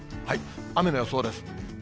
雨の予想です。